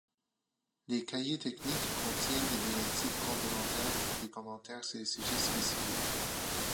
Les cahiers techniques contiennent des directives complémentaires et des commentaires sur des sujets spécifiques.